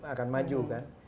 akan maju kan